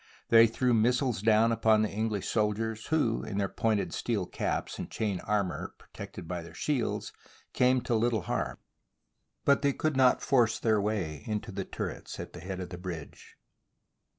They threw missiles down upon the English soldiers, who, in their pointed steel caps and chain armour protected by their shields, came to little harm, but could not force their way into the turrets at the head of the bridge.